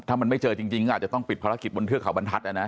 ถ้ามันไม่เจอจริงก็อาจจะต้องปิดภารกิจบนเทือกเขาบรรทัศน์